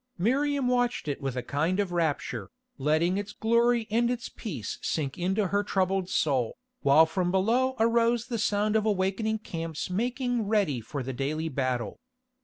Miriam watched it with a kind of rapture, letting its glory and its peace sink into her troubled soul, while from below arose the sound of awakening camps making ready for the daily battle.